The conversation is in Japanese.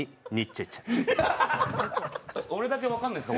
俺だけわからないですか。